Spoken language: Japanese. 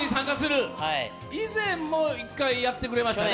以前も１回やってくれましたね。